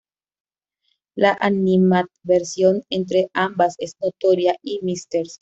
La animadversión entre ambas es notoria, y Mrs.